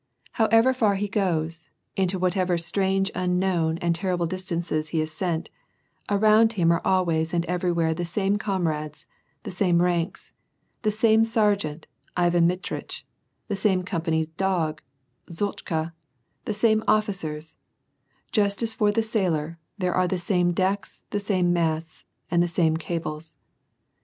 However far he goes, into whatever strange, unknown, and terrible distances he is sent, around him are al ways and everywhere the same comrades, the same ranks, the same sergeant, Ivan Mitrich, the same company dog, Zhutchka, the same officers ; just as for the sailor, there are the same decks, the same masts, the same cables.